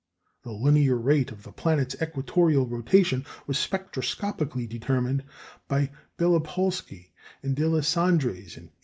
The linear rate of the planet's equatorial rotation was spectroscopically determined by Bélopolsky and Deslandres in 1895.